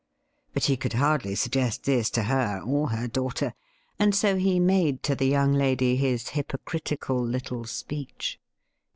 But he could hardly suggest this to her or her daughter, and so he made to the yovmg lady his hypocritical little speech.